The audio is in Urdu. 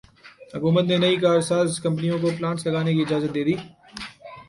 حکومت نے نئی کارساز کمپنیوں کو پلانٹس لگانے کی اجازت دیدی